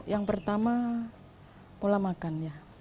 yang pertama pola makan ya